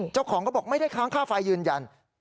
เจ้าของก็บอกไม่ได้ค้างค่าไฟยืนยัน